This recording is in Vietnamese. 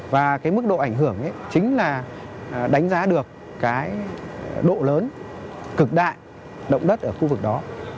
và cái mức độ ảnh hưởng ấy chính là đánh giá được cái độ lớn cực đại động đất ở khu vực đó